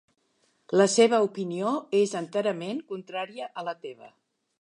La seva opinió és enterament contrària a la teva.